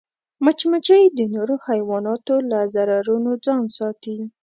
مچمچۍ د نورو حیواناتو له ضررونو ځان ساتي